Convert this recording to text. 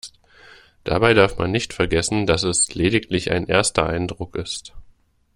Dabei darf man nicht vergessen, dass es lediglich ein erster Eindruck ist.